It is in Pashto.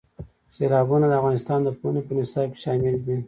سیلابونه د افغانستان د پوهنې په نصاب کې شامل دي.